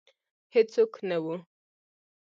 هیڅوک نه وه